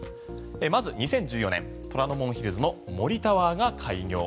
まず２０１４年虎ノ門ヒルズの森タワーが開業。